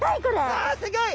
わあすギョい！